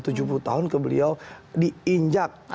tahun ke beliau diinjak